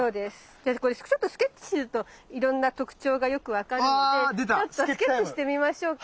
じゃあこれちょっとスケッチするといろんな特徴がよく分かるのでちょっとスケッチしてみましょうか。